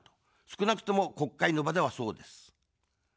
少なくとも国会の場ではそうです。